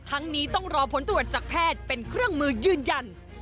นี้ต้องรอผลตรวจจากแพทย์เป็นเครื่องมือยืนยัน